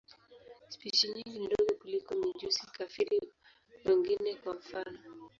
Spishi nyingi ni ndogo kuliko mijusi-kafiri wengine, kwa mfano.